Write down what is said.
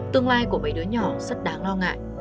tương lai của mấy đứa nhỏ rất đáng lo ngại